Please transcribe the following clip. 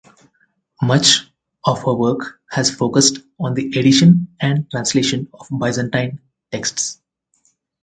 Much of her work has focused on the edition and translation of Byzantine texts.